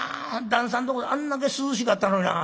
旦さんとこあんだけ涼しかったのにな。